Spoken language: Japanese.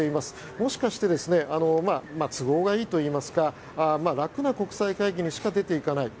もしかして都合がいいといいますか楽な国際会議にしか出ていかない。